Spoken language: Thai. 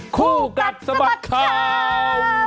คู่กัดสมัครค่าว